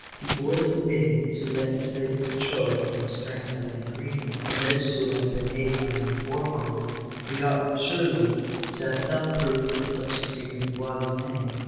Before submitting to legislative control on the strength of an agreement alleged to have been made by our forefathers, we ought surely to have some proof that such agreement was made.